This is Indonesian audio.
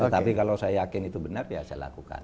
tetapi kalau saya yakin itu benar ya saya lakukan